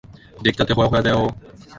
できたてほやほやだよ。